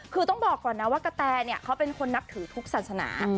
คือต้องบอกก่อนนะว่ากะแตเขาเป็นคนนับถือทุกศาสนา